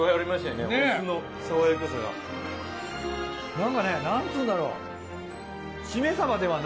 何かね何つうんだろう。